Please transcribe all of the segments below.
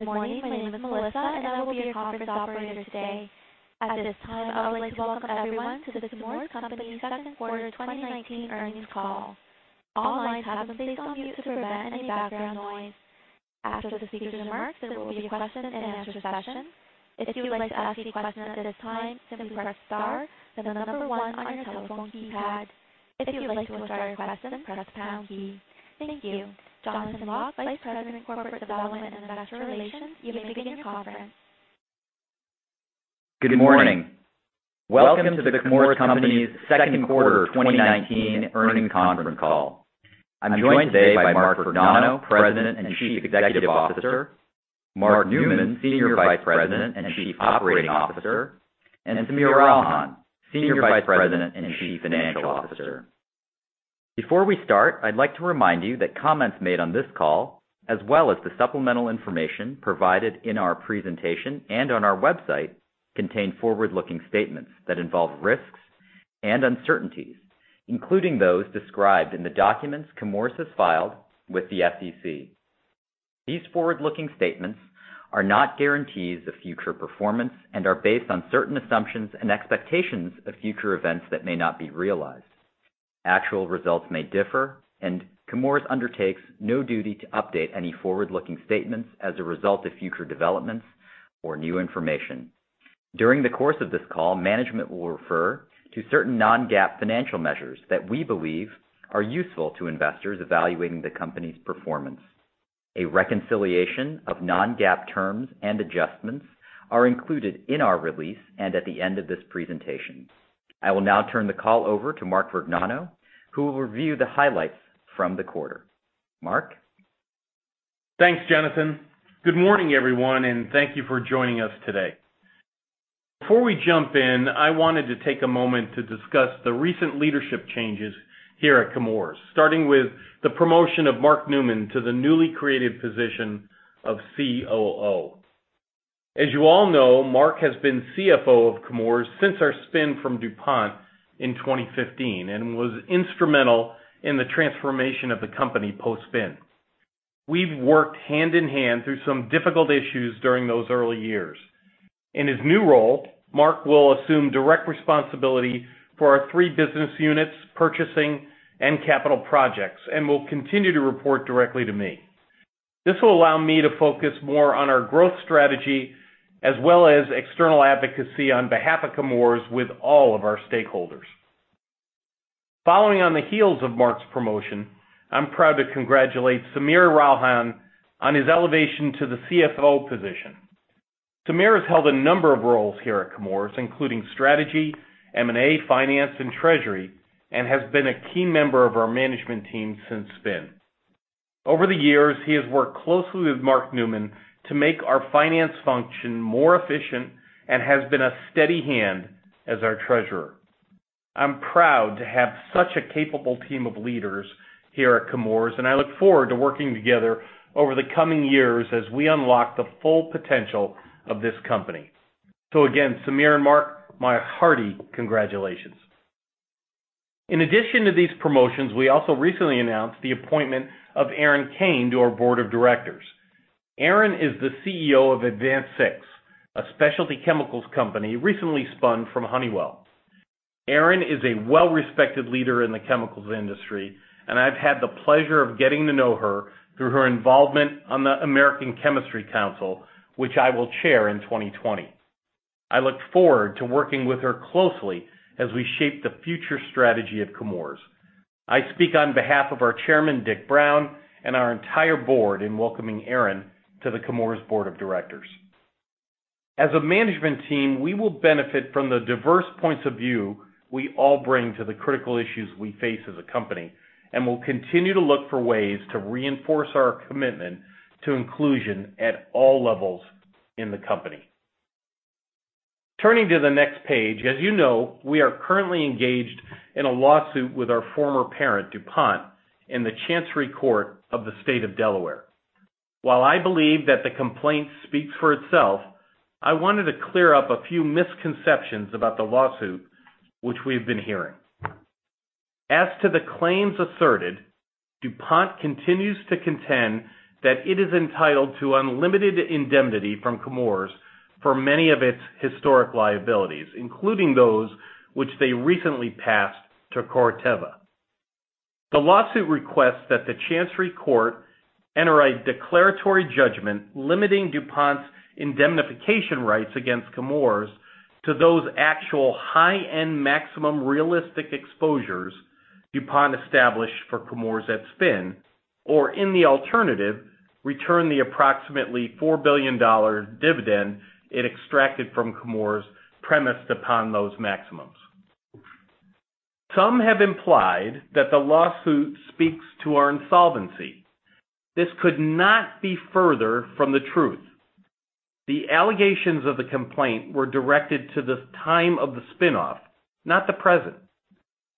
Good morning. My name is Melissa, and I will be your conference operator today. At this time, I would like to welcome everyone to The Chemours Company Second Quarter 2019 Earnings Call. All lines have been placed on mute to prevent any background noise. After the speakers' remarks, there will be a question-and-answer session. If you would like to ask a question at this time, simply press star then the number one on your telephone keypad. If you would like to withdraw your question, press pound key. Thank you. Jonathan Lock, Vice President, Corporate Development and Investor Relations, you may begin your conference. Good morning. Welcome to The Chemours Company's Second Quarter 2019 Earnings Conference Call. I'm joined today by Mark Vergnano, President and Chief Executive Officer, Mark Newman, Senior Vice President and Chief Operating Officer, and Sameer Ralhan, Senior Vice President and Chief Financial Officer. Before we start, I'd like to remind you that comments made on this call, as well as the supplemental information provided in our presentation and on our website, contain forward-looking statements that involve risks and uncertainties, including those described in the documents Chemours has filed with the SEC. These forward-looking statements are not guarantees of future performance and are based on certain assumptions and expectations of future events that may not be realized. Actual results may differ. Chemours undertakes no duty to update any forward-looking statements as a result of future developments or new information. During the course of this call, management will refer to certain non-GAAP financial measures that we believe are useful to investors evaluating the company's performance. A reconciliation of non-GAAP terms and adjustments are included in our release and at the end of this presentation. I will now turn the call over to Mark Vergnano, who will review the highlights from the quarter. Mark? Thanks, Jonathan. Good morning, everyone, and thank you for joining us today. Before we jump in, I wanted to take a moment to discuss the recent leadership changes here at Chemours, starting with the promotion of Mark Newman to the newly created position of COO. As you all know, Mark has been CFO of Chemours since our spin from DuPont in 2015 and was instrumental in the transformation of the company post-spin. We've worked hand-in-hand through some difficult issues during those early years. In his new role, Mark will assume direct responsibility for our three business units, purchasing and capital projects and will continue to report directly to me. This will allow me to focus more on our growth strategy as well as external advocacy on behalf of Chemours with all of our stakeholders. Following on the heels of Mark's promotion, I'm proud to congratulate Sameer Ralhan on his elevation to the CFO position. Sameer has held a number of roles here at Chemours, including strategy, M&A, finance, and treasury, and has been a key member of our management team since spin. Over the years, he has worked closely with Mark Newman to make our finance function more efficient and has been a steady hand as our treasurer. I'm proud to have such a capable team of leaders here at Chemours, and I look forward to working together over the coming years as we unlock the full potential of this company. Again, Sameer and Mark, my hearty congratulations. In addition to these promotions, we also recently announced the appointment of Erin Kane to our board of directors. Erin is the CEO of AdvanSix, a specialty chemicals company recently spun from Honeywell. Erin is a well-respected leader in the chemicals industry, and I've had the pleasure of getting to know her through her involvement on the American Chemistry Council, which I will chair in 2020. I look forward to working with her closely as we shape the future strategy of Chemours. I speak on behalf of our chairman, Dick Brown, and our entire board in welcoming Erin to the Chemours board of directors. As a management team, we will benefit from the diverse points of view we all bring to the critical issues we face as a company and will continue to look for ways to reinforce our commitment to inclusion at all levels in the company. Turning to the next page, as you know, we are currently engaged in a lawsuit with our former parent, DuPont, in the Chancery Court of the State of Delaware. While I believe that the complaint speaks for itself, I wanted to clear up a few misconceptions about the lawsuit which we've been hearing. As to the claims asserted, DuPont continues to contend that it is entitled to unlimited indemnity from Chemours for many of its historic liabilities, including those which they recently passed to Corteva. The lawsuit requests that the Chancery Court enter a declaratory judgment limiting DuPont's indemnification rights against Chemours to those actual high-end maximum realistic exposures DuPont established for Chemours at spin, or in the alternative, return the approximately $4 billion dividend it extracted from Chemours premised upon those maximums. Some have implied that the lawsuit speaks to our insolvency. This could not be further from the truth. The allegations of the complaint were directed to the time of the spin-off, not the present.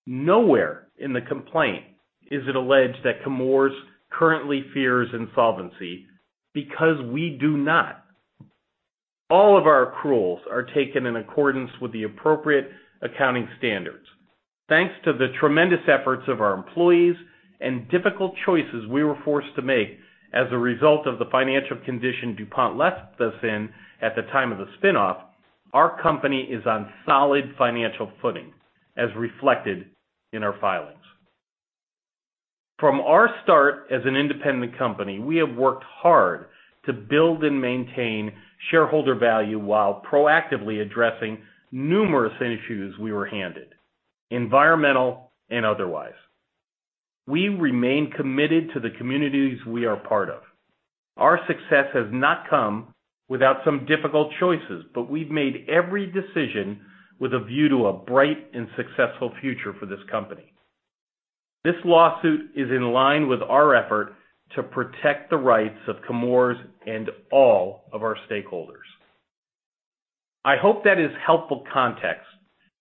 Nowhere in the complaint is it alleged that Chemours currently fears insolvency because we do not. All of our accruals are taken in accordance with the appropriate accounting standards. Thanks to the tremendous efforts of our employees and difficult choices we were forced to make as a result of the financial condition DuPont left us in at the time of the spinoff, our company is on solid financial footing as reflected in our filings. From our start as an independent company, we have worked hard to build and maintain shareholder value while proactively addressing numerous issues we were handed, environmental and otherwise. We remain committed to the communities we are part of. Our success has not come without some difficult choices, but we've made every decision with a view to a bright and successful future for this company. This lawsuit is in line with our effort to protect the rights of Chemours and all of our stakeholders. I hope that is helpful context,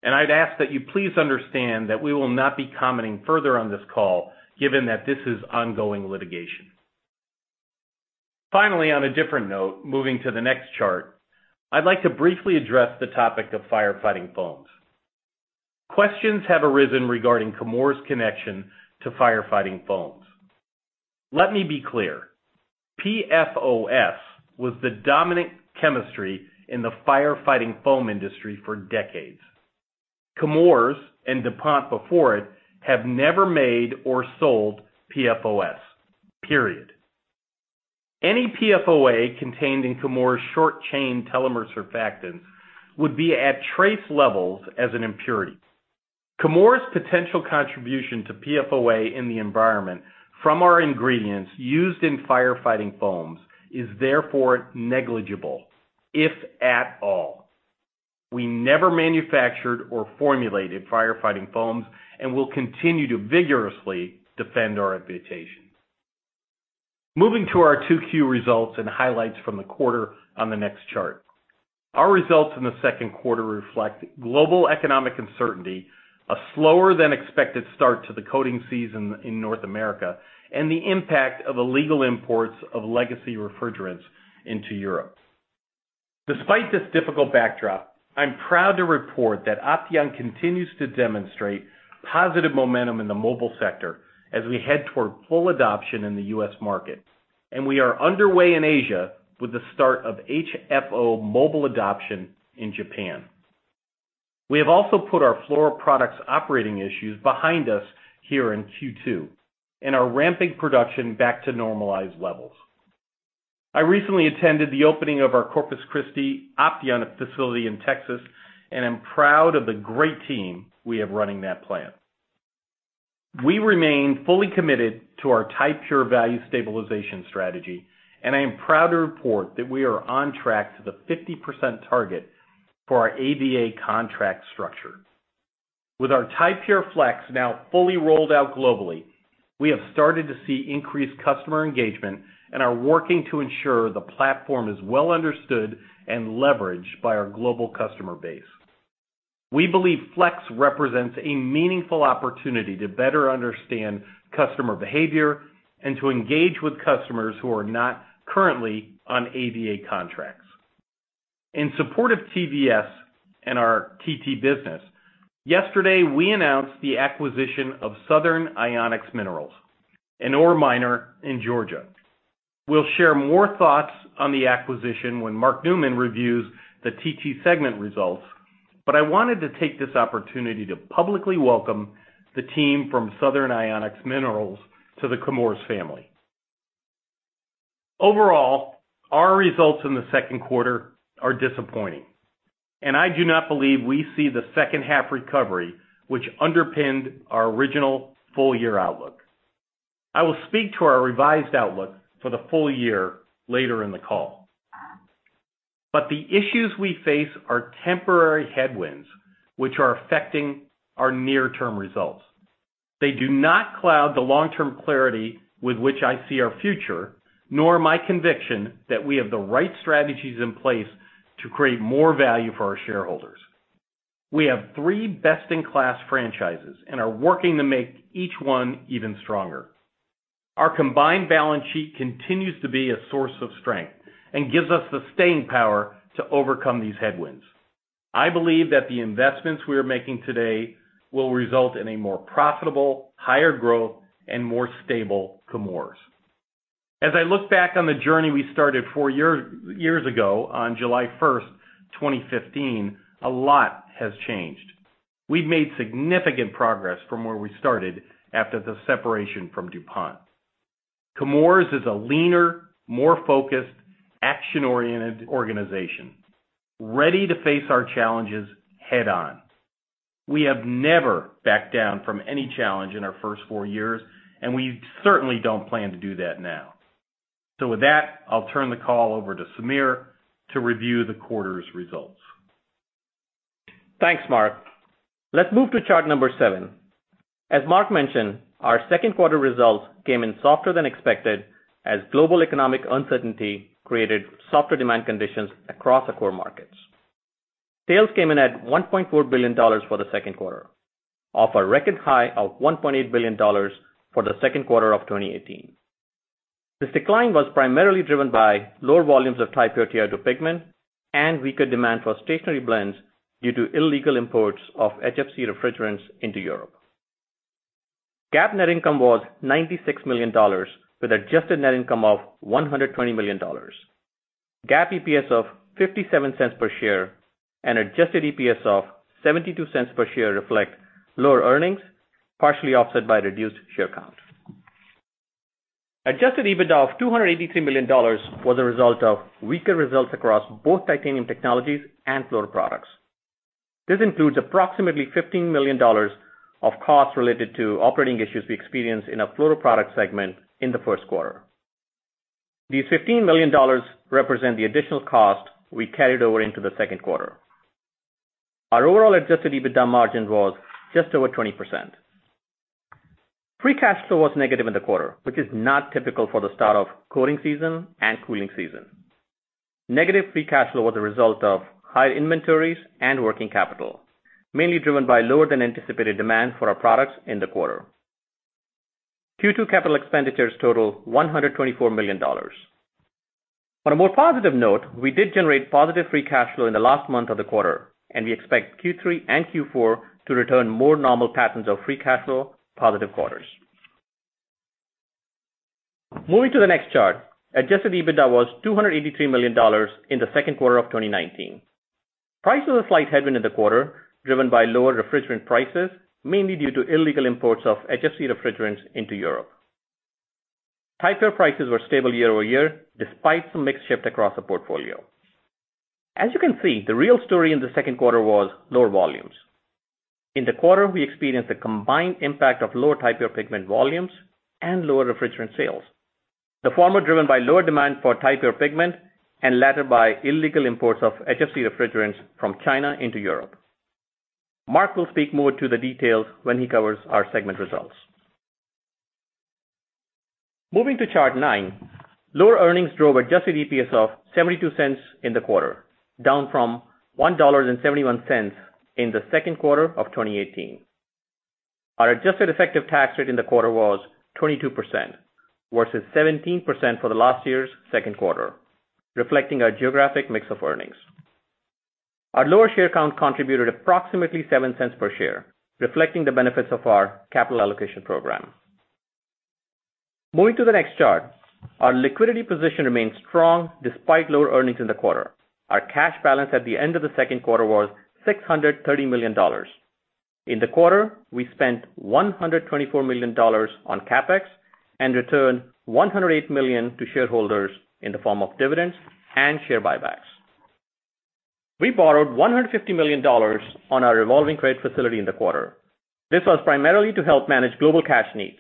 and I'd ask that you please understand that we will not be commenting further on this call, given that this is ongoing litigation. Finally, on a different note, moving to the next chart, I'd like to briefly address the topic of firefighting foams. Questions have arisen regarding Chemours' connection to firefighting foams. Let me be clear. PFOS was the dominant chemistry in the firefighting foam industry for decades. Chemours, and DuPont before it, have never made or sold PFOS, period. Any PFOA contained in Chemours' short chain telomer surfactants would be at trace levels as an impurity. Chemours' potential contribution to PFOA in the environment from our ingredients used in firefighting foams is therefore negligible, if at all. We never manufactured or formulated firefighting foams and will continue to vigorously defend our litigation. Moving to our 2Q results and highlights from the quarter on the next chart. Our results in the second quarter reflect global economic uncertainty, a slower than expected start to the coating season in North America, and the impact of illegal imports of legacy refrigerants into Europe. Despite this difficult backdrop, I'm proud to report that Opteon continues to demonstrate positive momentum in the mobile sector as we head toward full adoption in the U.S. market. We are underway in Asia with the start of HFO mobile adoption in Japan. We have also put our Fluoroproducts operating issues behind us here in Q2 and are ramping production back to normalized levels. I recently attended the opening of our Corpus Christi Opteon facility in Texas, and I'm proud of the great team we have running that plant. We remain fully committed to our Ti-Pure Value Stabilization strategy, and I am proud to report that we are on track to the 50% target for our AVA contract structure. With our Ti-Pure™ Flex now fully rolled out globally, we have started to see increased customer engagement and are working to ensure the platform is well understood and leveraged by our global customer base. We believe Flex represents a meaningful opportunity to better understand customer behavior and to engage with customers who are not currently on AVA contracts. In support of TVS and our TT business, yesterday, we announced the acquisition of Southern Ionics Minerals, an ore miner in Georgia. We'll share more thoughts on the acquisition when Mark Newman reviews the TT segment results. I wanted to take this opportunity to publicly welcome the team from Southern Ionics Minerals to the Chemours family. Overall, our results in the second quarter are disappointing, and I do not believe we see the second half recovery which underpinned our original full-year outlook. I will speak to our revised outlook for the full year later in the call. The issues we face are temporary headwinds which are affecting our near-term results. They do not cloud the long-term clarity with which I see our future, nor my conviction that we have the right strategies in place to create more value for our shareholders. We have three best-in-class franchises and are working to make each one even stronger. Our combined balance sheet continues to be a source of strength and gives us the staying power to overcome these headwinds. I believe that the investments we are making today will result in a more profitable, higher growth, and more stable Chemours. As I look back on the journey we started four years ago on July 1st, 2015, a lot has changed. We've made significant progress from where we started after the separation from DuPont. Chemours is a leaner, more focused, action-oriented organization, ready to face our challenges head on. We have never backed down from any challenge in our first four years, and we certainly don't plan to do that now. With that, I'll turn the call over to Sameer to review the quarter's results. Thanks, Mark. Let's move to chart number seven. As Mark mentioned, our second quarter results came in softer than expected as global economic uncertainty created softer demand conditions across our portfolio. sales came in at $1.4 billion for the second quarter, off a record high of $1.8 billion for the second quarter of 2018. This decline was primarily driven by lower volumes of Ti-Pure TiO2 pigment and weaker demand for stationary blends due to illegal imports of HFC refrigerants into Europe. GAAP net income was $96 million with adjusted net income of $120 million. GAAP EPS of $0.57 per share and adjusted EPS of $0.72 per share reflect lower earnings, partially offset by reduced share count. Adjusted EBITDA of $283 million was a result of weaker results across both Titanium Technologies and Fluoroproducts. This includes approximately $15 million of costs related to operating issues we experienced in our fluor product segment in the first quarter. These $15 million represent the additional cost we carried over into the second quarter. Our overall adjusted EBITDA margin was just over 20%. Free cash flow was negative in the quarter, which is not typical for the start of coating season and cooling season. Negative free cash flow was a result of higher inventories and working capital, mainly driven by lower than anticipated demand for our products in the quarter. Q2 capital expenditures total $124 million. On a more positive note, we did generate positive free cash flow in the last month of the quarter, and we expect Q3 and Q4 to return more normal patterns of free cash flow positive quarters. Moving to the next chart, adjusted EBITDA was $283 million in the second quarter of 2019. Price was a slight headwind in the quarter, driven by lower refrigerant prices, mainly due to illegal imports of HFC refrigerants into Europe. Ti-Pure™ prices were stable year-over-year, despite some mix shift across the portfolio. As you can see, the real story in the second quarter was lower volumes. In the quarter, we experienced a combined impact of lower Ti-Pure™ pigment volumes and lower refrigerant sales. The former driven by lower demand for Ti-Pure™ pigment, and latter by illegal imports of HFC refrigerants from China into Europe. Mark will speak more to the details when he covers our segment results. Moving to Chart nine, lower earnings drove adjusted EPS of $0.72 in the quarter, down from $1.71 in the second quarter of 2018. Our adjusted effective tax rate in the quarter was 22%, versus 17% for the last year's second quarter, reflecting our geographic mix of earnings. Our lower share count contributed approximately $0.07 per share, reflecting the benefits of our capital allocation program. Moving to the next chart, our liquidity position remains strong despite lower earnings in the quarter. Our cash balance at the end of the second quarter was $630 million. In the quarter, we spent $124 million on CapEx and returned $108 million to shareholders in the form of dividends and share buybacks. We borrowed $150 million on our revolving credit facility in the quarter. This was primarily to help manage global cash needs.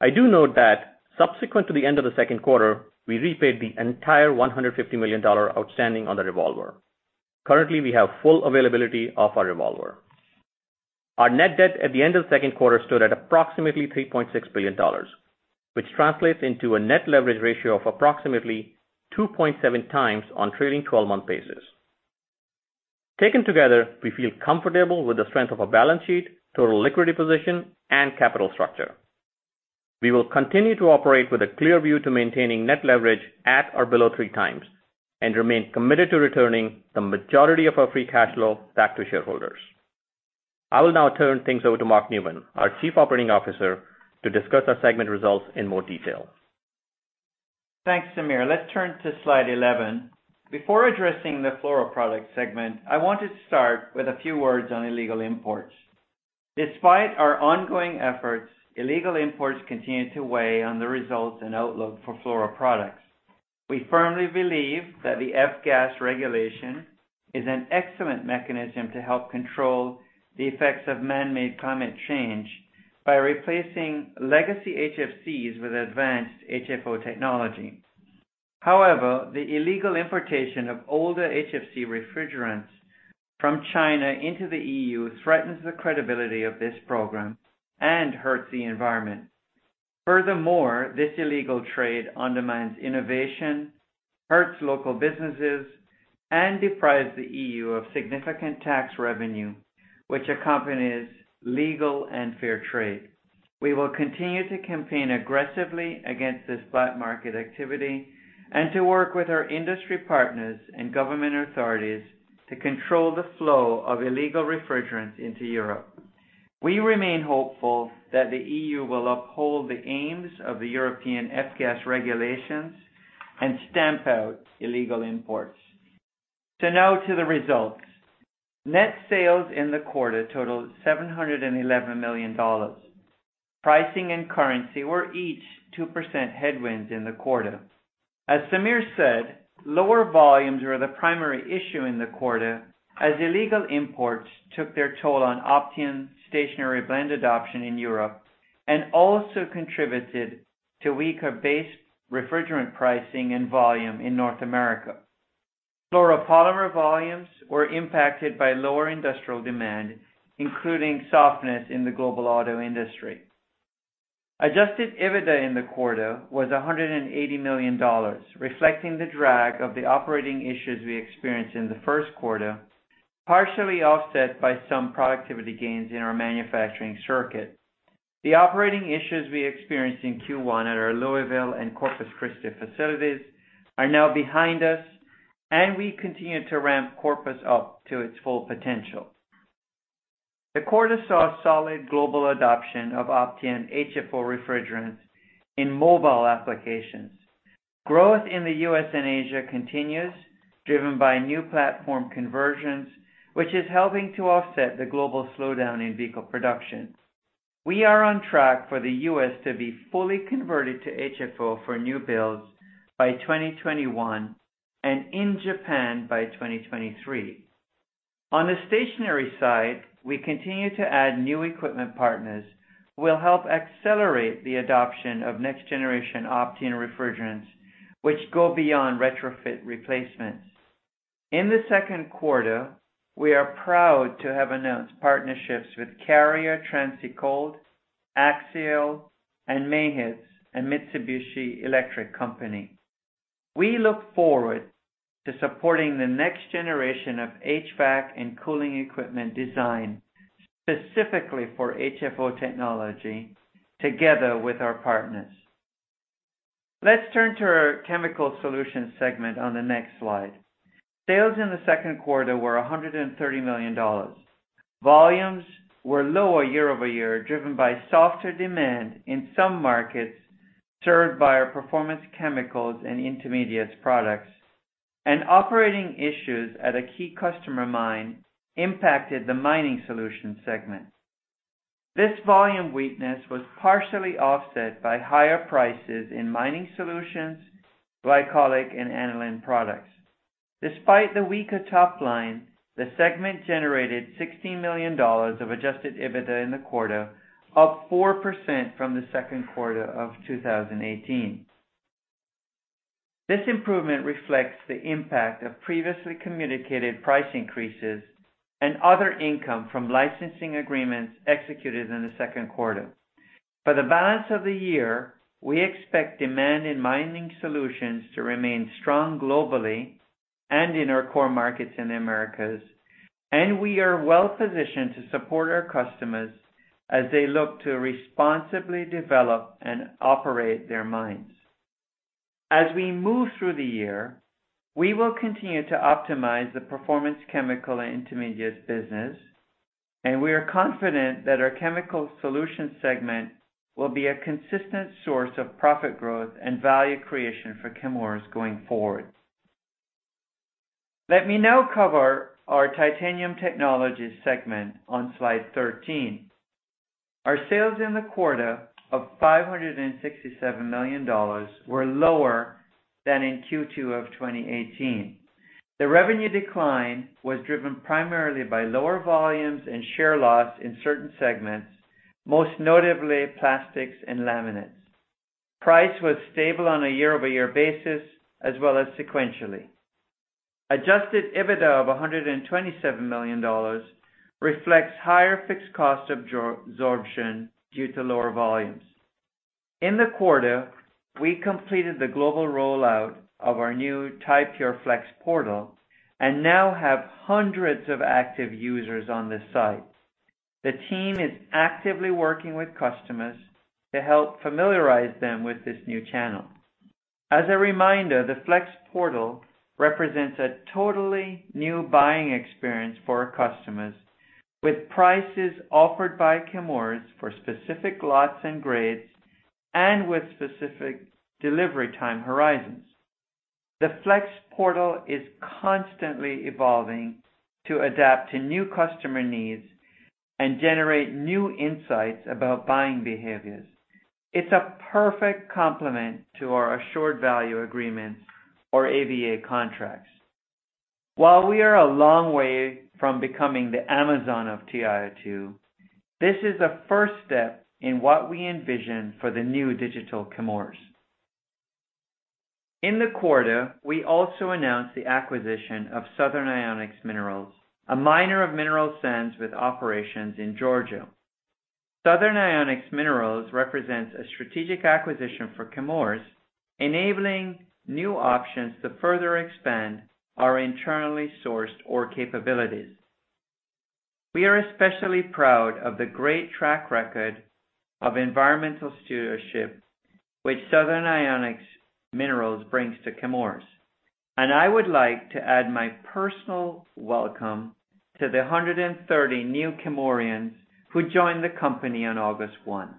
I do note that subsequent to the end of the second quarter, we repaid the entire $150 million outstanding on the revolver. Currently, we have full availability of our revolver. Our net debt at the end of the second quarter stood at approximately $3.6 billion, which translates into a net leverage ratio of approximately 2.7 times on trailing 12-month basis. Taken together, we feel comfortable with the strength of our balance sheet, total liquidity position and capital structure. We will continue to operate with a clear view to maintaining net leverage at or below 3 times, and remain committed to returning the majority of our free cash flow back to shareholders. I will now turn things over to Mark Newman, our Chief Operating Officer, to discuss our segment results in more detail. Thanks, Sameer. Let's turn to Slide 11. Before addressing the Fluoroproducts segment, I wanted to start with a few words on illegal imports. Despite our ongoing efforts, illegal imports continue to weigh on the results and outlook for Fluoroproducts. We firmly believe that the F-gas regulation is an excellent mechanism to help control the effects of man-made climate change by replacing legacy HFCs with advanced HFO technology. The illegal importation of older HFC refrigerants from China into the EU threatens the credibility of this program and hurts the environment. This illegal trade undermines innovation, hurts local businesses, and deprives the EU of significant tax revenue, which accompanies legal and fair trade. We will continue to campaign aggressively against this black market activity and to work with our industry partners and government authorities to control the flow of illegal refrigerants into Europe. We remain hopeful that the EU will uphold the aims of the European F-gas regulations and stamp out illegal imports. Now to the results. Net sales in the quarter totaled $711 million. Pricing and currency were each 2% headwinds in the quarter. As Sameer said, lower volumes were the primary issue in the quarter as illegal imports took their toll on Opteon stationary blend adoption in Europe, and also contributed to weaker base refrigerant pricing and volume in North America. Fluoropolymer volumes were impacted by lower industrial demand, including softness in the global auto industry. Adjusted EBITDA in the quarter was $180 million, reflecting the drag of the operating issues we experienced in the first quarter, partially offset by some productivity gains in our manufacturing circuit. The operating issues we experienced in Q1 at our Louisville and Corpus Christi facilities are now behind us, and we continue to ramp Corpus up to its full potential. The quarter saw solid global adoption of Opteon HFO refrigerants in mobile applications. Growth in the U.S. and Asia continues, driven by new platform conversions, which is helping to offset the global slowdown in vehicle production. We are on track for the U.S. to be fully converted to HFO for new builds by 2021 and in Japan by 2023. On the stationary side, we continue to add new equipment partners who will help accelerate the adoption of next-generation Opteon refrigerants, which go beyond retrofit replacements. In the second quarter, we are proud to have announced partnerships with Carrier Transicold, Axima and Mayekawa, and Mitsubishi Electric Company. We look forward to supporting the next generation of HVAC and cooling equipment design specifically for HFO technology together with our partners. Let's turn to our Chemical Solutions segment on the next slide. Sales in the second quarter were $130 million. Volumes were lower year-over-year, driven by softer demand in some markets served by our performance chemicals and intermediates products, and operating issues at a key customer mine impacted the Mining Solutions segment. This volume weakness was partially offset by higher prices in Mining Solutions, glycolic, and aniline products. Despite the weaker top line, the segment generated $16 million of adjusted EBITDA in the quarter, up 4% from the second quarter of 2018. This improvement reflects the impact of previously communicated price increases and other income from licensing agreements executed in the second quarter. For the balance of the year, we expect demand in mining solutions to remain strong globally and in our core markets in the Americas, and we are well-positioned to support our customers as they look to responsibly develop and operate their mines. As we move through the year, we will continue to optimize the performance chemical and intermediates business, and we are confident that our Chemical Solutions segment will be a consistent source of profit growth and value creation for Chemours going forward. Let me now cover our Titanium Technologies segment on slide 13. Our sales in the quarter of $567 million were lower than in Q2 of 2018. The revenue decline was driven primarily by lower volumes and share loss in certain segments, most notably plastics and laminates. Price was stable on a year-over-year basis as well as sequentially. Adjusted EBITDA of $127 million reflects higher fixed cost absorption due to lower volumes. In the quarter, we completed the global rollout of our new Ti-Pure™ Flex portal and now have hundreds of active users on the site. The team is actively working with customers to help familiarize them with this new channel. As a reminder, the Flex portal represents a totally new buying experience for our customers, with prices offered by Chemours for specific lots and grades, and with specific delivery time horizons. The Flex portal is constantly evolving to adapt to new customer needs and generate new insights about buying behaviors. It's a perfect complement to our Assured Value Agreements, or AVA contracts. While we are a long way from becoming the Amazon of TiO2, this is a first step in what we envision for the new digital Chemours. In the quarter, we also announced the acquisition of Southern Ionics Minerals, a miner of mineral sands with operations in Georgia. Southern Ionics Minerals represents a strategic acquisition for Chemours, enabling new options to further expand our internally sourced ore capabilities. We are especially proud of the great track record of environmental stewardship which Southern Ionics Minerals brings to Chemours. I would like to add my personal welcome to the 130 new Chemourians who joined the company on August 1st.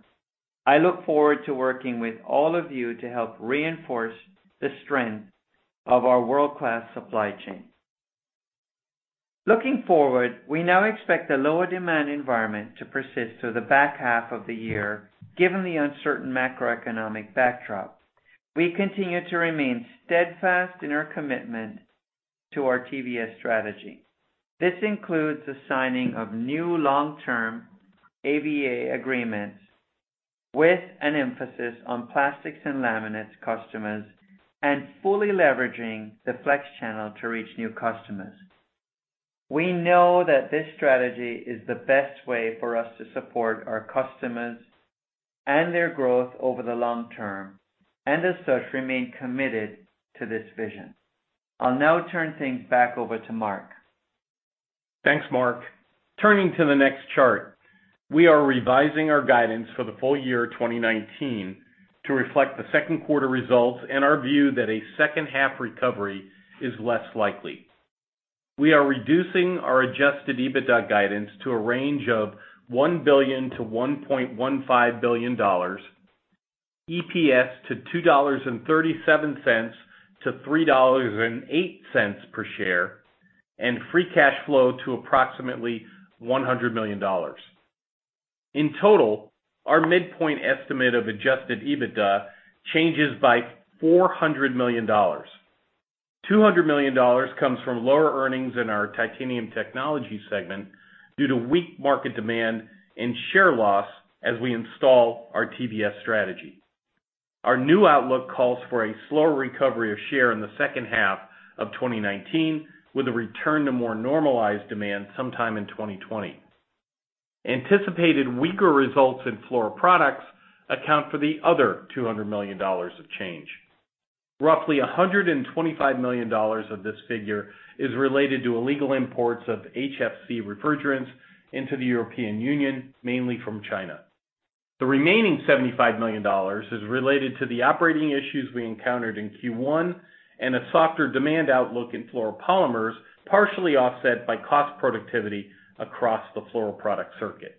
I look forward to working with all of you to help reinforce the strength of our world-class supply chain. Looking forward, we now expect the lower demand environment to persist through the back half of the year, given the uncertain macroeconomic backdrop. We continue to remain steadfast in our commitment to our TVS strategy. This includes the signing of new long-term AVA agreements with an emphasis on plastics and laminates customers and fully leveraging the Flex channel to reach new customers. We know that this strategy is the best way for us to support our customers and their growth over the long term, and as such, remain committed to this vision. I'll now turn things back over to Mark. Thanks, Mark. Turning to the next chart, we are revising our guidance for the full year 2019 to reflect the second quarter results and our view that a second half recovery is less likely. We are reducing our adjusted EBITDA guidance to a range of $1 billion to $1.15 billion, EPS to $2.37 to $3.08 per share, and free cash flow to approximately $100 million. In total, our midpoint estimate of adjusted EBITDA changes by $400 million. $200 million comes from lower earnings in our Titanium Technologies segment due to weak market demand and share loss as we install our TVS strategy. Our new outlook calls for a slower recovery of share in the second half of 2019, with a return to more normalized demand sometime in 2020. Anticipated weaker results in fluoroproducts account for the other $200 million of change. Roughly $125 million of this figure is related to illegal imports of HFC refrigerants into the European Union, mainly from China. The remaining $75 million is related to the operating issues we encountered in Q1 and a softer demand outlook in fluoropolymers, partially offset by cost productivity across the fluoroproduct circuit.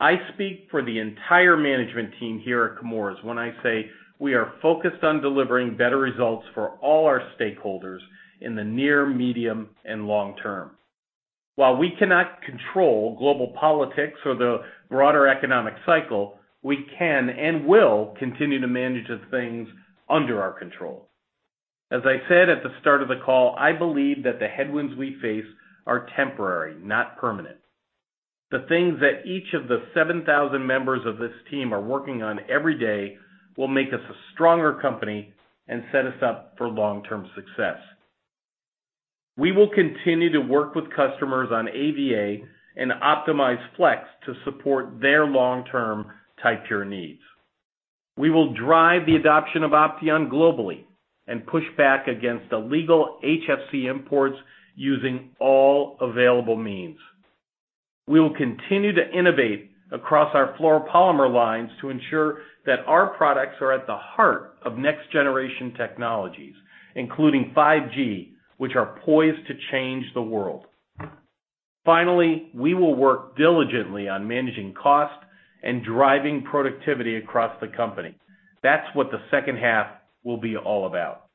I speak for the entire management team here at Chemours when I say we are focused on delivering better results for all our stakeholders in the near, medium, and long term. While we cannot control global politics or the broader economic cycle, we can and will continue to manage the things under our control. As I said at the start of the call, I believe that the headwinds we face are temporary, not permanent. The things that each of the 7,000 members of this team are working on every day will make us a stronger company and set us up for long-term success. We will continue to work with customers on AVA and optimized Flex to support their long-term Ti-Pure™ needs. We will drive the adoption of Opteon globally and push back against illegal HFC imports using all available means. We will continue to innovate across our fluoropolymer lines to ensure that our products are at the heart of next-generation technologies, including 5G, which are poised to change the world. Finally, we will work diligently on managing cost and driving productivity across the company. That's what the second half will be all about.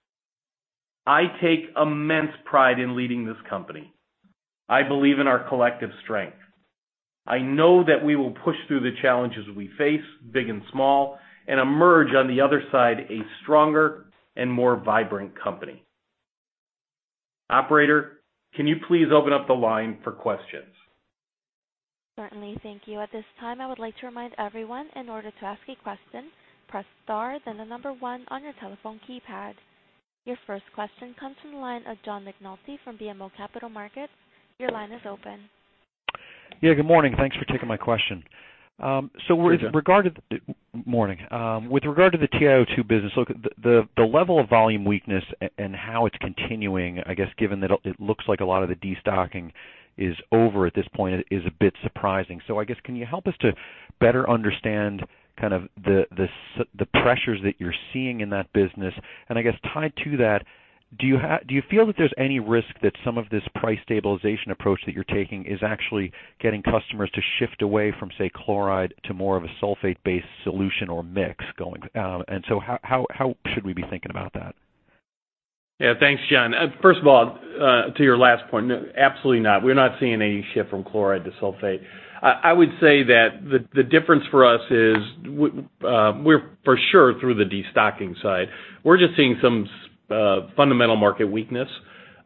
I take immense pride in leading this company. I believe in our collective strength. I know that we will push through the challenges we face, big and small, and emerge on the other side a stronger and more vibrant company. Operator, can you please open up the line for questions? Certainly. Thank you. At this time, I would like to remind everyone, in order to ask a question, press star then the number one on your telephone keypad. Your first question comes from the line of John McNulty from BMO Capital Markets. Your line is open. Yeah, good morning. Thanks for taking my question. Hey, John. Morning. With regard to the TiO2 business, look, the level of volume weakness and how it's continuing, I guess, given that it looks like a lot of the destocking is over at this point, is a bit surprising. I guess, can you help us to better understand the pressures that you're seeing in that business? I guess tied to that, do you feel that there's any risk that some of this price stabilization approach that you're taking is actually getting customers to shift away from, say, chloride to more of a sulfate-based solution or mix? How should we be thinking about that? Yeah, thanks, John. First of all, to your last point, no, absolutely not. We're not seeing any shift from chloride to sulfate. I would say that the difference for us is we're for sure through the destocking side. We're just seeing some fundamental market weakness.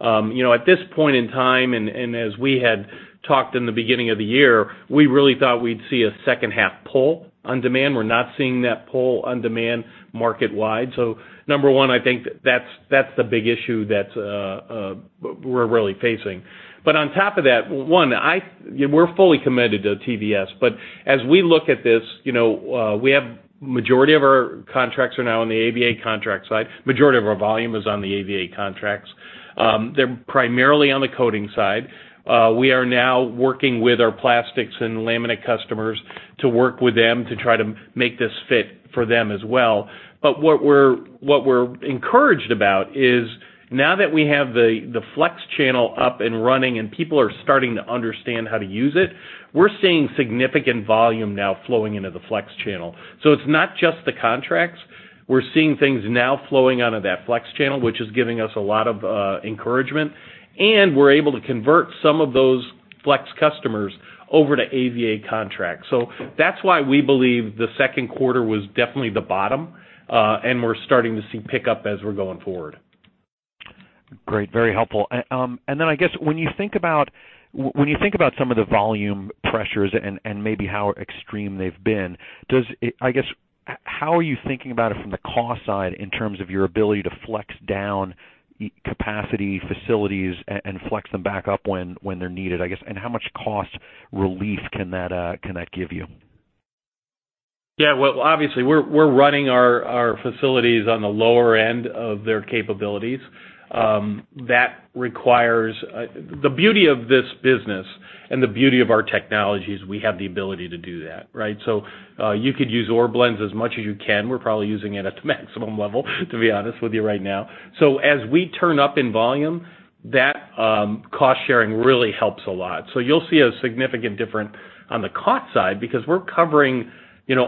At this point in time, as we had talked in the beginning of the year, we really thought we'd see a second half pull on demand. We're not seeing that pull on demand market-wide. Number one, I think that's the big issue that we're really facing. On top of that, one, we're fully committed to TVS, but as we look at this, we have majority of our contracts are now on the AVA contract side. Majority of our volume is on the AVA contracts. They're primarily on the coating side. We are now working with our plastics and laminate customers to work with them to try to make this fit for them as well. What we're encouraged about is now that we have the Flex channel up and running and people are starting to understand how to use it, we're seeing significant volume now flowing into the Flex channel. It's not just the contracts. We're seeing things now flowing out of that Flex channel, which is giving us a lot of encouragement, and we're able to convert some of those Flex customers over to AVA contracts. That's why we believe the second quarter was definitely the bottom, and we're starting to see pickup as we're going forward. Great. Very helpful. Then I guess when you think about some of the volume pressures and maybe how extreme they've been, how are you thinking about it from the cost side in terms of your ability to flex down capacity facilities and flex them back up when they're needed, I guess? How much cost relief can that give you? Well, obviously, we're running our facilities on the lower end of their capabilities. The beauty of this business and the beauty of our technology is we have the ability to do that, right? You could use ore blends as much as you can. We're probably using it at the maximum level, to be honest with you right now. As we turn up in volume, that cost-sharing really helps a lot. You'll see a significant difference on the cost side because we're covering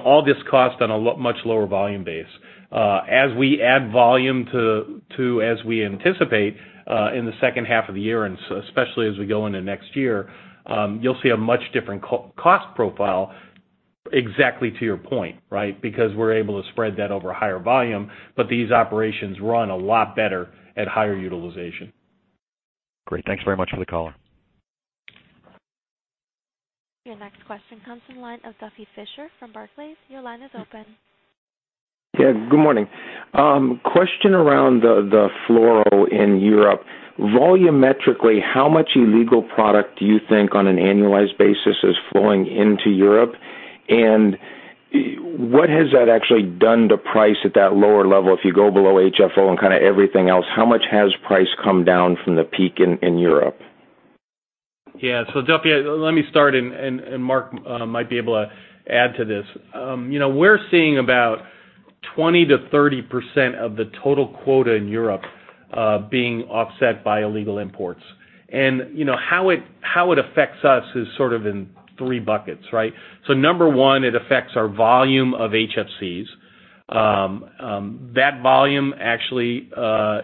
all this cost on a much lower volume base. As we add volume as we anticipate in the second half of the year, and especially as we go into next year, you'll see a much different cost profile exactly to your point, right? We're able to spread that over a higher volume, but these operations run a lot better at higher utilization. Great. Thanks very much for the caller. Your next question comes from the line of Duffy Fischer from Barclays. Your line is open. Yeah, good morning. Question around the fluoro in Europe. Volumetrically, how much illegal product do you think on an annualized basis is flowing into Europe? What has that actually done to price at that lower level if you go below HFO and everything else? How much has price come down from the peak in Europe? Yeah. Duffy, let me start and Mark might be able to add to this. We're seeing about 20%-30% of the total quota in Europe being offset by illegal imports. How it affects us is sort of in three buckets, right? Number one, it affects our volume of HFCs. That volume actually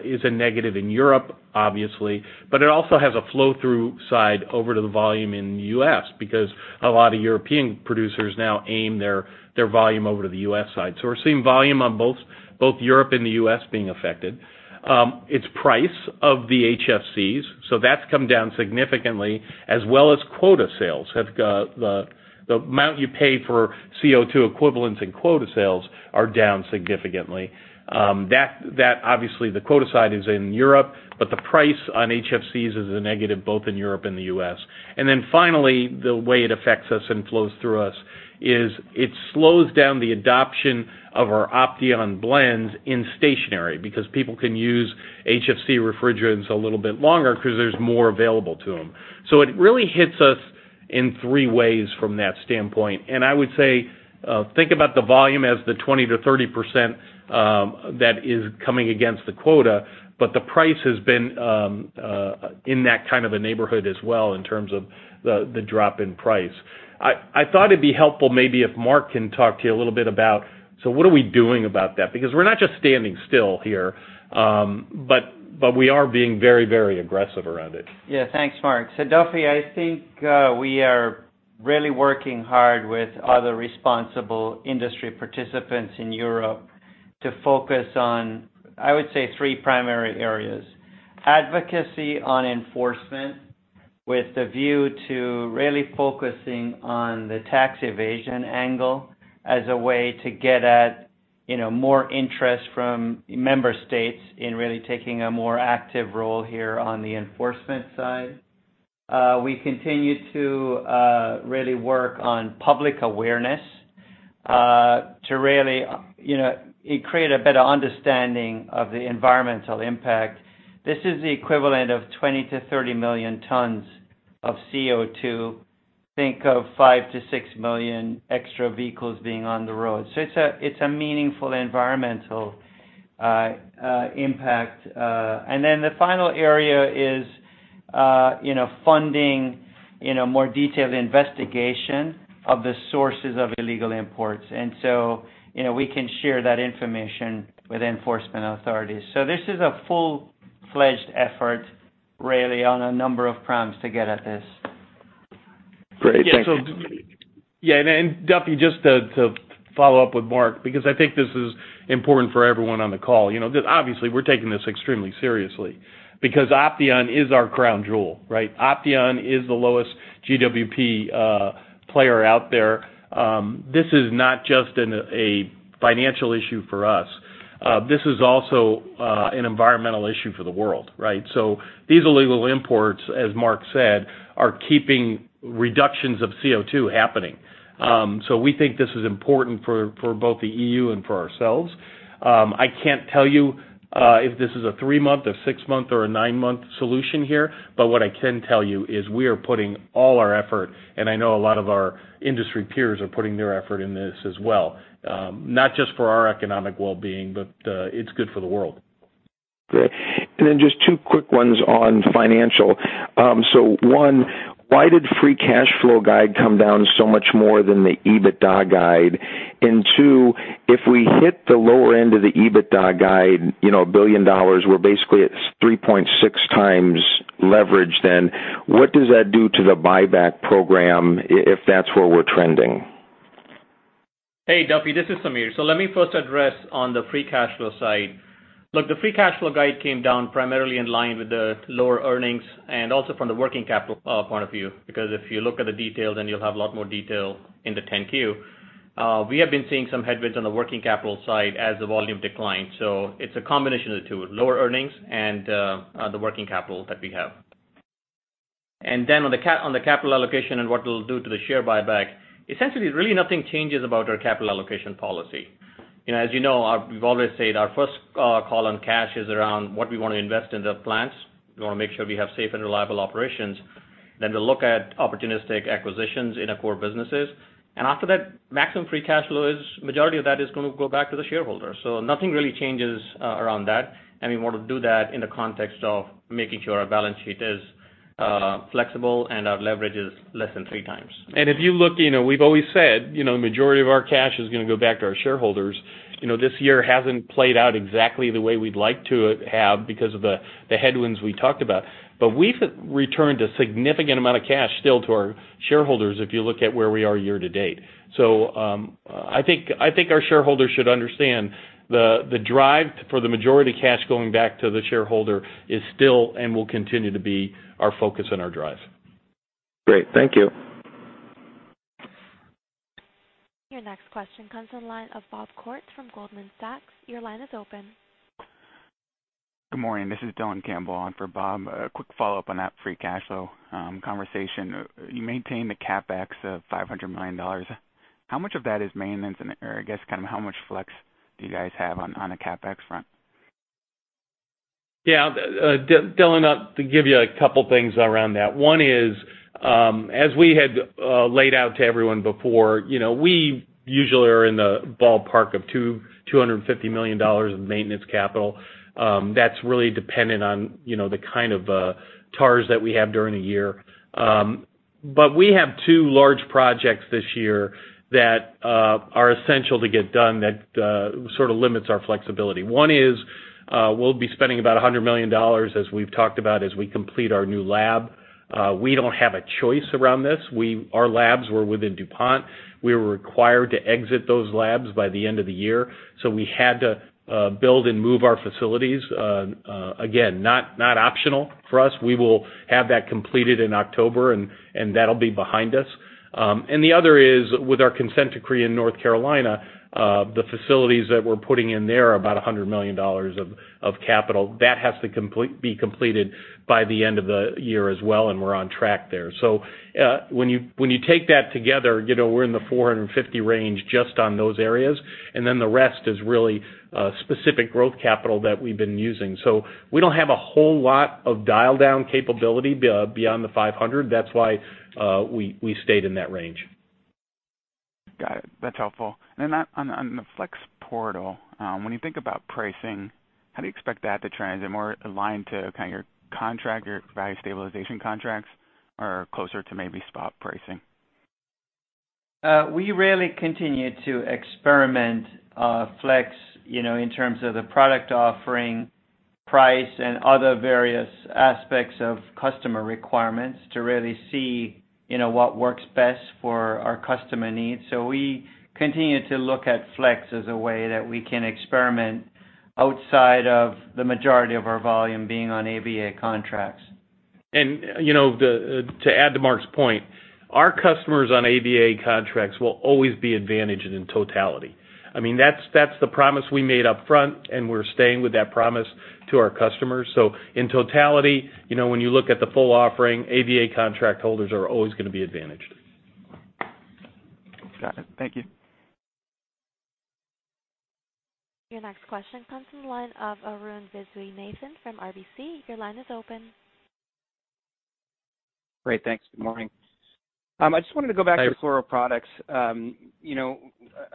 is a negative in Europe, obviously, but it also has a flow-through side over to the volume in the U.S. because a lot of European producers now aim their volume over to the U.S. side. We're seeing volume on both Europe and the U.S. being affected. Its price of the HFCs. That's come down significantly as well as quota sales. The amount you pay for CO2 equivalents in quota sales are down significantly. The quota side is in Europe, the price on HFCs is a negative both in Europe and the U.S. Finally, the way it affects us and flows through us is it slows down the adoption of our Opteon blends in stationary because people can use HFC refrigerants a little bit longer because there's more available to them. It really hits us in three ways from that standpoint. I would say, think about the volume as the 20%-30% that is coming against the quota, the price has been in that kind of a neighborhood as well in terms of the drop in price. I thought it'd be helpful maybe if Mark can talk to you a little bit about, what are we doing about that? We're not just standing still here, we are being very aggressive around it. Yeah. Thanks, Mark. Duffy, I think we are really working hard with other responsible industry participants in Europe to focus on, I would say, three primary areas. Advocacy on enforcement with the view to really focusing on the tax evasion angle as a way to get at more interest from member states in really taking a more active role here on the enforcement side. We continue to really work on public awareness to really create a better understanding of the environmental impact. This is the equivalent of 20 to 30 million tons of CO2. Think of five to six million extra vehicles being on the road. It's a meaningful environmental impact. The final area is funding more detailed investigation of the sources of illegal imports. We can share that information with enforcement authorities. This is a full-fledged effort really on a number of prongs to get at this. Great. Thank you. Yeah. Duffy, just to follow up with Mark, because I think this is important for everyone on the call. Obviously, we're taking this extremely seriously because Opteon is our crown jewel, right? Opteon is the lowest GWP player out there. This is not just a financial issue for us. This is also an environmental issue for the world, right? These illegal imports, as Mark said, are keeping reductions of CO2 happening. We think this is important for both the EU and for ourselves. I can't tell you if this is a three-month, a six-month, or a nine-month solution here, what I can tell you is we are putting all our effort, and I know a lot of our industry peers are putting their effort in this as well. Not just for our economic well-being, but it's good for the world. Great. Just two quick ones on financial. One, why did free cash flow guide come down so much more than the EBITDA guide? Two, if we hit the lower end of the EBITDA guide, $1 billion, we're basically at 3.6x leverage then. What does that do to the buyback program, if that's where we're trending? Hey, Duffy. This is Sameer. Let me first address on the free cash flow side. Look, the free cash flow guide came down primarily in line with the lower earnings and also from the working capital point of view. Because if you look at the details, then you'll have a lot more detail in the 10-Q. We have been seeing some headwinds on the working capital side as the volume declines. It's a combination of the two: lower earnings and the working capital that we have. On the capital allocation and what we'll do to the share buyback, essentially, really nothing changes about our capital allocation policy. As you know, we've always said our first call on cash is around what we want to invest in the plants. We want to make sure we have safe and reliable operations. To look at opportunistic acquisitions in our core businesses. After that, maximum free cash flow, majority of that is going to go back to the shareholders. Nothing really changes around that. We want to do that in the context of making sure our balance sheet is flexible and our leverage is less than 3 times. If you look, we've always said, majority of our cash is going to go back to our shareholders. This year hasn't played out exactly the way we'd like to have because of the headwinds we talked about. We've returned a significant amount of cash still to our shareholders, if you look at where we are year to date. I think our shareholders should understand the drive for the majority of cash going back to the shareholder is still and will continue to be our focus and our drive. Great. Thank you. Your next question comes from the line of Bob Koort from Goldman Sachs. Your line is open. Good morning. This is Dylan Campbell on for Bob. A quick follow-up on that free cash flow conversation. You maintain the CapEx of $500 million. How much of that is maintenance? Or I guess, how much flex do you guys have on the CapEx front? Yeah. Dylan, to give you a couple things around that. One is, as we had laid out to everyone before, we usually are in the ballpark of $250 million in maintenance capital. That's really dependent on the kind of TARs that we have during a year. We have two large projects this year that are essential to get done that sort of limits our flexibility. One is, we'll be spending about $100 million, as we've talked about, as we complete our new lab. We don't have a choice around this. Our labs were within DuPont. We were required to exit those labs by the end of the year. We had to build and move our facilities. Again, not optional for us. We will have that completed in October, and that'll be behind us. The other is with our consent decree in North Carolina, the facilities that we're putting in there are about $100 million of capital. That has to be completed by the end of the year as well, and we're on track there. When you take that together, we're in the $450 million range just on those areas. The rest is really specific growth capital that we've been using. We don't have a whole lot of dial-down capability beyond the $500 million. That's why we stayed in that range. Got it. That's helpful. On the Flex portal, when you think about pricing, how do you expect that to trend? Is it more aligned to kind of your contract, your value stabilization contracts? Closer to maybe spot pricing? We really continue to experiment Flex in terms of the product offering, price, and other various aspects of customer requirements to really see what works best for our customer needs. We continue to look at Flex as a way that we can experiment outside of the majority of our volume being on AVA contracts. To add to Mark's point, our customers on AVA contracts will always be advantaged in totality. That's the promise we made up front, and we're staying with that promise to our customers. In totality, when you look at the full offering, AVA contract holders are always going to be advantaged. Got it. Thank you. Your next question comes from the line of Arun Viswanathan from RBC. Your line is open. Great. Thanks. Good morning. I just wanted to go back to fluoroproducts.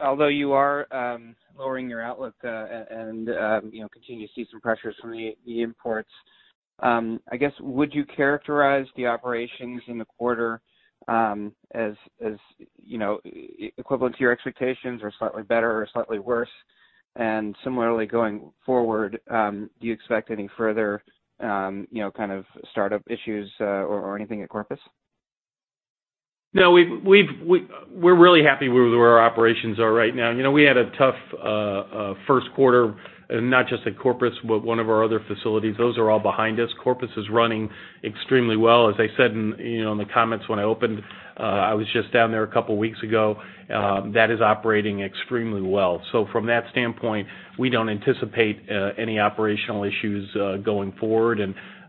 Although you are lowering your outlook, and continue to see some pressures from the imports, I guess, would you characterize the operations in the quarter, as equivalent to your expectations or slightly better or slightly worse? Similarly going forward, do you expect any further kind of startup issues or anything at Corpus? No, we're really happy with where our operations are right now. We had a tough first quarter, not just at Corpus, but one of our other facilities. Those are all behind us. Corpus is running extremely well. As I said in the comments when I opened, I was just down there a couple of weeks ago. That is operating extremely well. From that standpoint, we don't anticipate any operational issues going forward.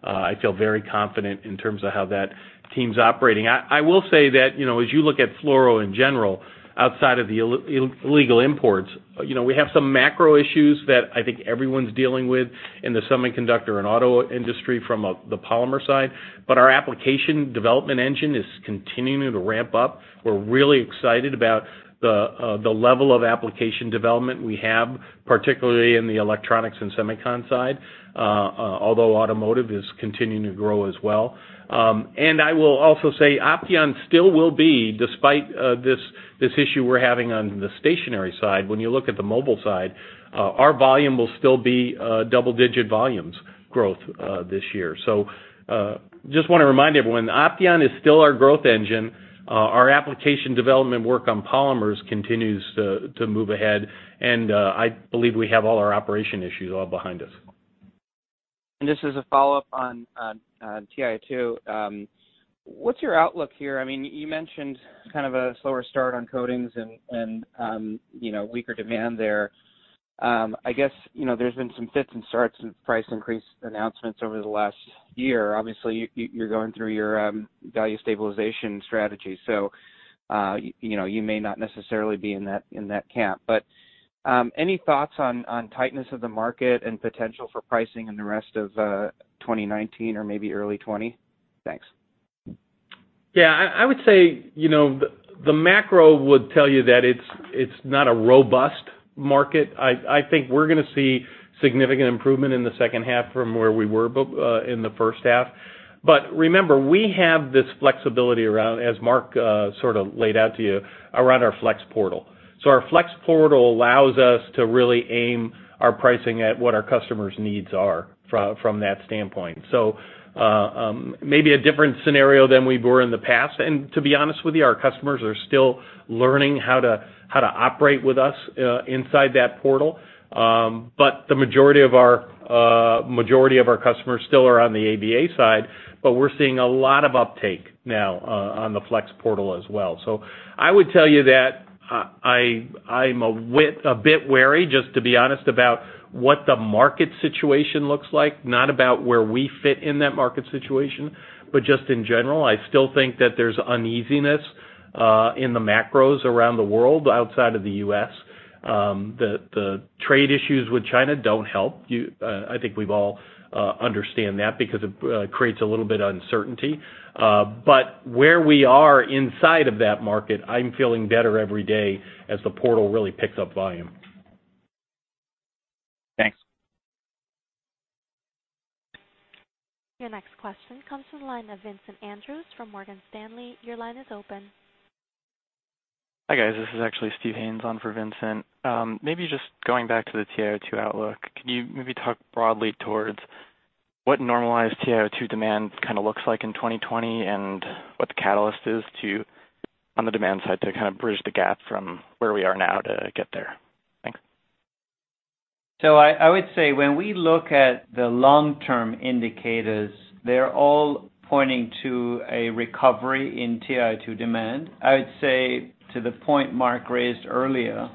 I feel very confident in terms of how that team's operating. I will say that, as you look at fluoro in general, outside of the illegal imports, we have some macro issues that I think everyone's dealing with in the semiconductor and auto industry from the polymer side. Our application development engine is continuing to ramp up. We're really excited about the level of application development we have, particularly in the electronics and semicon side. Although automotive is continuing to grow as well. I will also say, Opteon still will be, despite this issue we're having on the stationary side, when you look at the mobile side, our volume will still be double-digit volumes growth this year. Just want to remind everyone, Opteon is still our growth engine. Our application development work on polymers continues to move ahead, and I believe we have all our operation issues all behind us. This is a follow-up on TiO2. What's your outlook here? You mentioned kind of a slower start on coatings and weaker demand there. I guess, there's been some fits and starts with price increase announcements over the last year. Obviously, you're going through your Value Stabilization strategy, you may not necessarily be in that camp. Any thoughts on tightness of the market and potential for pricing in the rest of 2019 or maybe early 2020? Thanks. Yeah, I would say, the macro would tell you that it's not a robust market. I think we're going to see significant improvement in the second half from where we were in the first half. Remember, we have this flexibility around, as Mark sort of laid out to you, around our flex portal. Our flex portal allows us to really aim our pricing at what our customers' needs are from that standpoint. Maybe a different scenario than we were in the past. To be honest with you, our customers are still learning how to operate with us inside that portal. The majority of our customers still are on the AVA side, but we're seeing a lot of uptake now on the flex portal as well. I would tell you that I'm a bit wary, just to be honest, about what the market situation looks like, not about where we fit in that market situation, but just in general. I still think that there's uneasiness in the macros around the world outside of the U.S. The trade issues with China don't help. I think we all understand that because it creates a little bit of uncertainty. Where we are inside of that market, I'm feeling better every day as the Portal really picks up volume. Thanks. Your next question comes from the line of Vincent Andrews from Morgan Stanley. Your line is open. Hi, guys. This is actually Steve Haines on for Vincent. Maybe just going back to the TiO2 outlook, can you maybe talk broadly towards what normalized TiO2 demand kind of looks like in 2020 and what the catalyst is on the demand side to kind of bridge the gap from where we are now to get there? Thanks. I would say when we look at the long-term indicators, they're all pointing to a recovery in TiO2 demand. I would say to the point Mark raised earlier,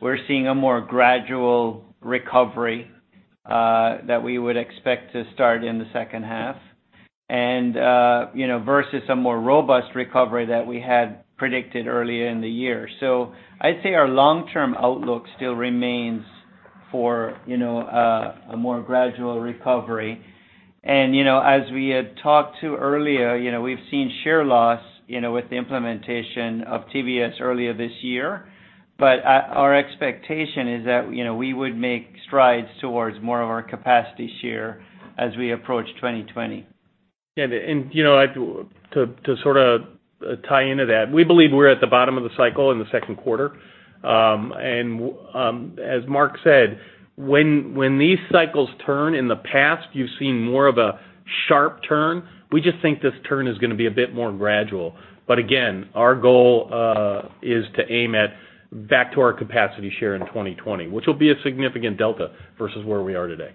we're seeing a more gradual recovery that we would expect to start in the second half and versus a more robust recovery that we had predicted earlier in the year. I'd say our long-term outlook still remains for a more gradual recovery. As we had talked to earlier, we've seen share loss with the implementation of TVS earlier this year. Our expectation is that we would make strides towards more of our capacity share as we approach 2020. To sort of tie into that, we believe we're at the bottom of the cycle in the second quarter. As Mark said, when these cycles turn in the past, you've seen more of a sharp turn. We just think this turn is going to be a bit more gradual. Again, our goal is to aim at back to our capacity share in 2020, which will be a significant delta versus where we are today.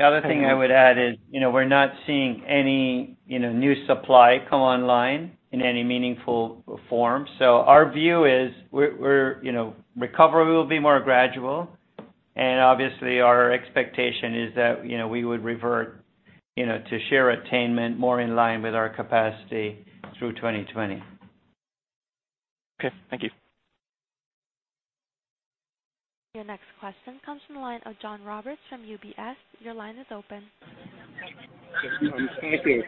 The other thing I would add is, we're not seeing any new supply come online in any meaningful form. Our view is recovery will be more gradual, and obviously our expectation is that we would revert to share attainment more in line with our capacity through 2020. Okay, thank you. Your next question comes from the line of John Roberts from UBS. Your line is open. Thank you.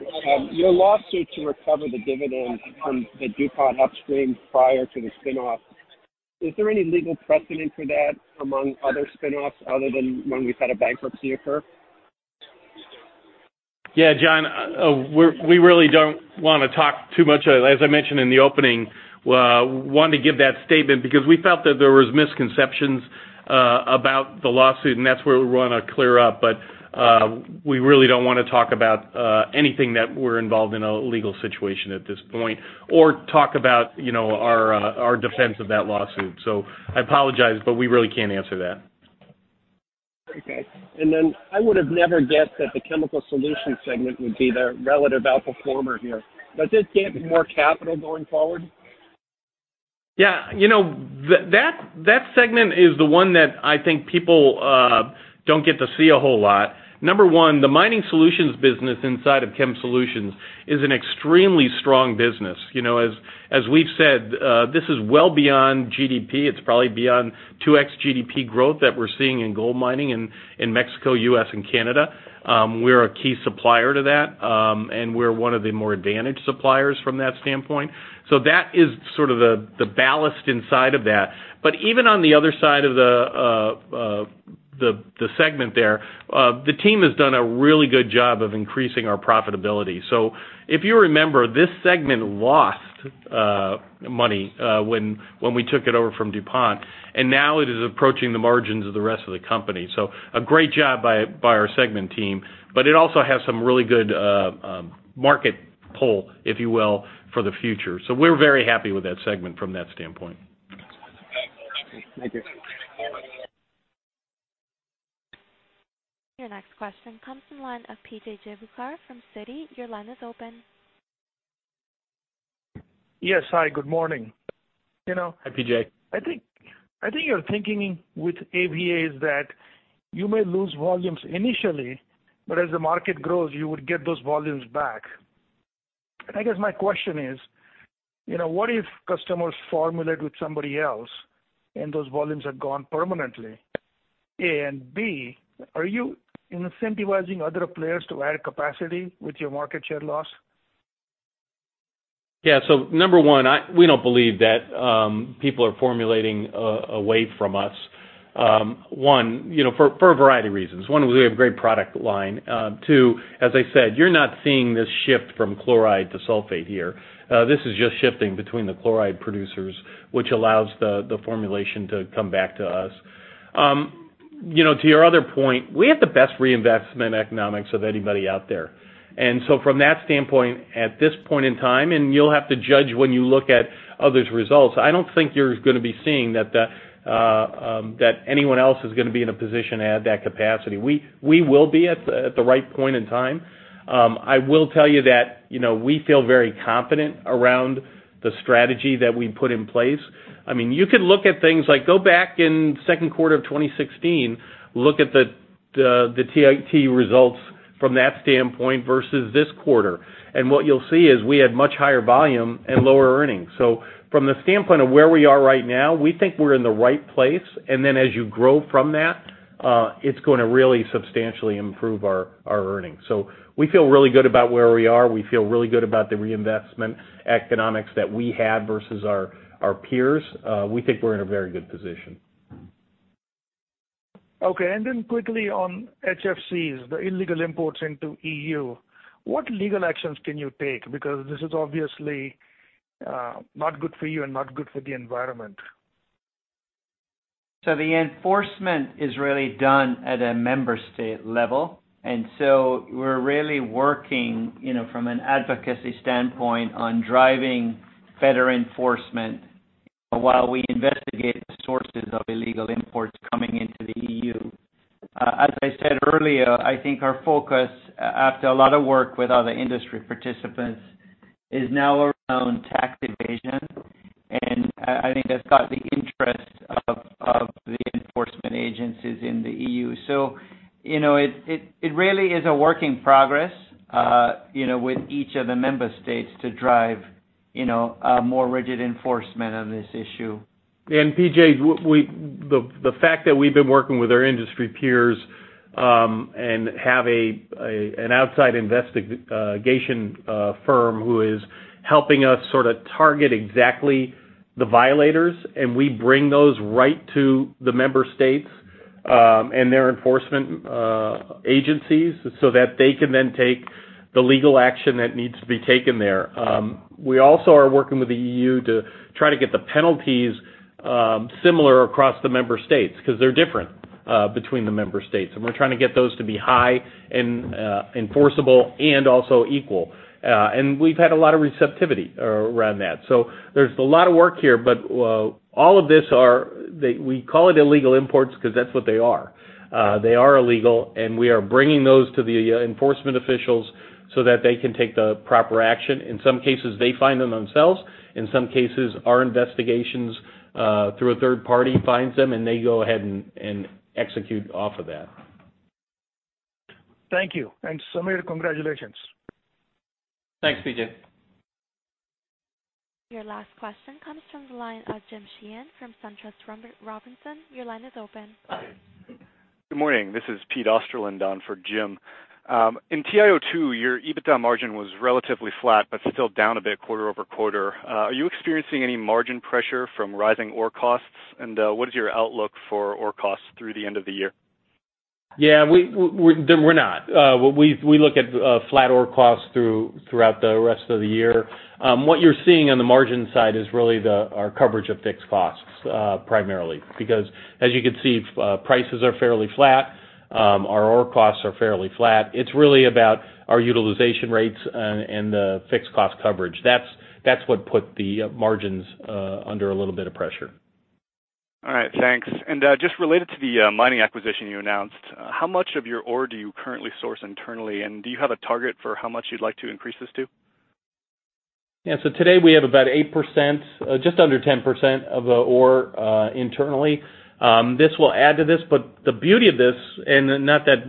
Your lawsuit to recover the dividends from the DuPont upstream prior to the spin-off, is there any legal precedent for that among other spin-offs other than when we've had a bankruptcy occur? Yeah, John, we really don't want to talk too much. As I mentioned in the opening, wanted to give that statement because we felt that there was misconceptions about the lawsuit. That's where we want to clear up. We really don't want to talk about anything that we're involved in a legal situation at this point or talk about our defense of that lawsuit. I apologize, but we really can't answer that. Okay. I would have never guessed that the Chemical Solutions segment would be the relative outperformer here. Does this get more capital going forward? That segment is the one that I think people don't get to see a whole lot. Number one, the mining solutions business inside of Chemical Solutions is an extremely strong business. As we've said, this is well beyond GDP. It's probably beyond 2X GDP growth that we're seeing in gold mining in Mexico, U.S., and Canada. We're a key supplier to that, and we're one of the more advantaged suppliers from that standpoint. That is sort of the ballast inside of that. Even on the other side of the segment there, the team has done a really good job of increasing our profitability. If you remember, this segment lost money when we took it over from DuPont, and now it is approaching the margins of the rest of the company. A great job by our segment team, but it also has some really good market pull, if you will, for the future. We're very happy with that segment from that standpoint. Thank you. Your next question comes from the line of P.J. Juvekar from Citi. Your line is open. Yes. Hi, good morning. Hi, P.J. I think you're thinking with AVA is that you may lose volumes initially, but as the market grows, you would get those volumes back. I guess my question is: what if customers formulate with somebody else and those volumes are gone permanently? A, B, are you incentivizing other players to add capacity with your market share loss? Number one, we don't believe that people are formulating away from us. One, for a variety of reasons. One, we have great product line. Two, as I said, you're not seeing this shift from chloride to sulfate here. This is just shifting between the chloride producers, which allows the formulation to come back to us. To your other point, we have the best reinvestment economics of anybody out there. From that standpoint, at this point in time, and you'll have to judge when you look at others' results, I don't think you're going to be seeing that anyone else is going to be in a position to add that capacity. We will be at the right point in time. I will tell you that we feel very confident around the strategy that we've put in place. You could look at things like go back in second quarter of 2016, look at the TT results from that standpoint versus this quarter. What you'll see is we had much higher volume and lower earnings. From the standpoint of where we are right now, we think we're in the right place, and then as you grow from that, it's going to really substantially improve our earnings. We feel really good about where we are. We feel really good about the reinvestment economics that we have versus our peers. We think we're in a very good position. Okay. Quickly on HFCs, the illegal imports into EU, what legal actions can you take? This is obviously not good for you and not good for the environment. The enforcement is really done at a member state level, and so we're really working from an advocacy standpoint on driving better enforcement while we investigate the sources of illegal imports coming into the EU. As I said earlier, I think our focus, after a lot of work with other industry participants, is now around tax evasion, and I think that got the interest of the enforcement agencies in the EU. It really is a work in progress with each of the member states to drive a more rigid enforcement on this issue. P.J., the fact that we've been working with our industry peers, and have an outside investigation firm who is helping us sort of target exactly the violators, and we bring those right to the member states, and their enforcement agencies so that they can then take the legal action that needs to be taken there. We also are working with the EU to try to get the penalties similar across the member states, because they're different between the member states. We're trying to get those to be high and enforceable and also equal. We've had a lot of receptivity around that. There's a lot of work here, but all of this, we call it illegal imports because that's what they are. They are illegal, and we are bringing those to the enforcement officials so that they can take the proper action. In some cases, they find them themselves. In some cases, our investigations, through a third party, finds them. They go ahead and execute off of that. Thank you. Sameer, congratulations. Thanks, P.J. Your last question comes from the line of Jim Sheehan from SunTrust Robinson. Your line is open. Good morning. This is Peter Osterland on for Jim. In TiO2, your EBITDA margin was relatively flat, but still down a bit quarter-over-quarter. Are you experiencing any margin pressure from rising ore costs? What is your outlook for ore costs through the end of the year? Yeah. We're not. We look at flat ore costs throughout the rest of the year. What you're seeing on the margin side is really our coverage of fixed costs, primarily. As you can see, prices are fairly flat. Our ore costs are fairly flat. It's really about our utilization rates and the fixed cost coverage. That's what put the margins under a little bit of pressure. All right. Thanks. Just related to the mining acquisition you announced, how much of your ore do you currently source internally, and do you have a target for how much you'd like to increase this to? Yeah. Today we have about 8%, just under 10% of the ore internally. This will add to this, but the beauty of this, and not that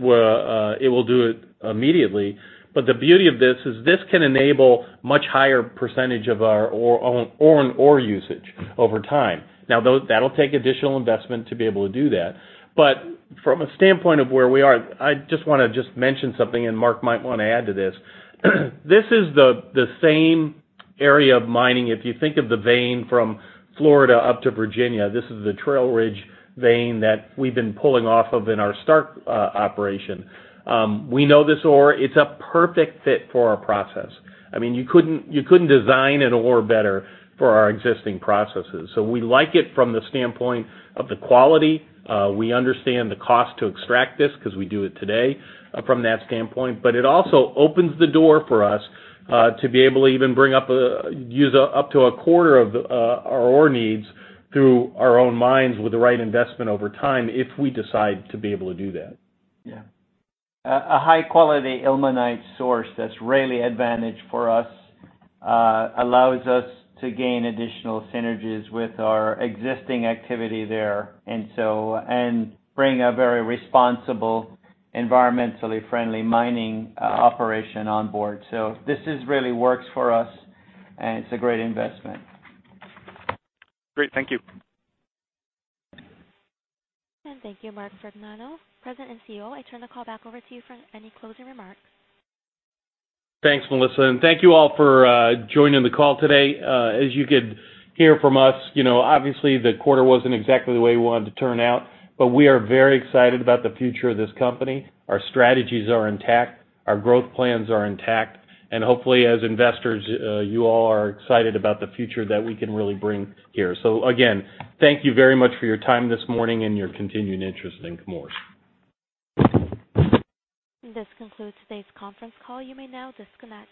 it will do it immediately, but the beauty of this is this can enable much higher percentage of our own ore usage over time. That'll take additional investment to be able to do that. From a standpoint of where we are, I just want to just mention something, and Mark might want to add to this. This is the same area of mining. If you think of the vein from Florida up to Virginia, this is the Trail Ridge vein that we've been pulling off of in our Starke operation. We know this ore. It's a perfect fit for our process. You couldn't design an ore better for our existing processes. We like it from the standpoint of the quality. We understand the cost to extract this because we do it today from that standpoint. It also opens the door for us to be able to even bring up, use up to a quarter of our ore needs through our own mines with the right investment over time if we decide to be able to do that. A high-quality ilmenite source that's really advantage for us allows us to gain additional synergies with our existing activity there and bring a very responsible, environmentally friendly mining operation on board. This really works for us, and it's a great investment. Great. Thank you. Thank you, Mark Vergnano, President and CEO. I turn the call back over to you for any closing remarks. Thanks, Melissa. Thank you all for joining the call today. As you could hear from us, obviously the quarter wasn't exactly the way we wanted to turn out, we are very excited about the future of this company. Our strategies are intact, our growth plans are intact, hopefully, as investors, you all are excited about the future that we can really bring here. Again, thank you very much for your time this morning and your continued interest in Chemours. This concludes today's conference call. You may now disconnect.